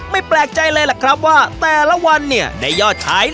แปลกใจเลยล่ะครับว่าแต่ละวันเนี่ยได้ยอดขาย